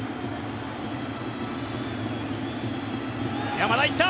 山田、行った！